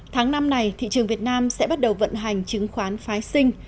tháng năm này thị trường việt nam sẽ bắt đầu vận hành chứng khoán phái sinh